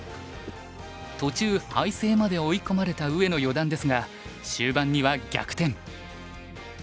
途中敗勢まで追い込まれた上野四段ですが終盤には逆転。